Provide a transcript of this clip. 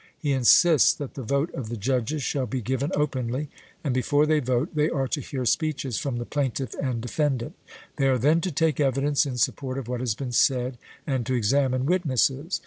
He insists that the vote of the judges shall be given openly, and before they vote they are to hear speeches from the plaintiff and defendant. They are then to take evidence in support of what has been said, and to examine witnesses.